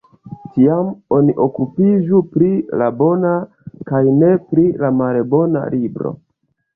Tiam oni okupiĝu pri la bona, kaj ne pri la malbona libro!